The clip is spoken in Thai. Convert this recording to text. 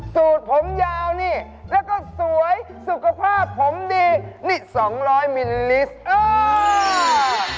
สูตรผมยาวนี่แล้วก็สวยสุขภาพผมดีนี่๒๐๐มิลลิสต์เออ